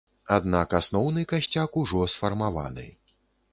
Аднак асноўны касцяк ужо сфармаваны.